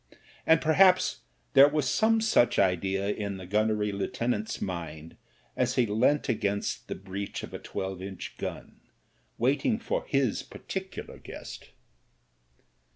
And perhaps there was some such idea in the gunnery lieutenant's mind as he leant against the breech of a twelve inch gun, waiting for his particular guest.